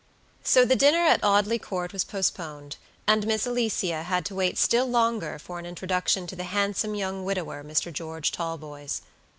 So the dinner at Audley Court was postponed, and Miss Alicia had to wait still longer for an introduction to the handsome young widower, Mr. George Talboys.